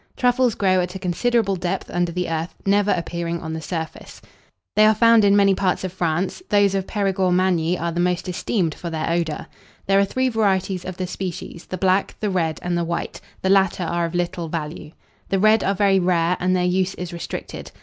Truffles grow at a considerable depth under the earth, never appearing on the surface. They are found in many parts of France: those of Périgord Magny are the most esteemed for their odour. There are three varieties of the species, the black, the red, and the white: the latter are of little value. The red are very rare, and their use is restricted.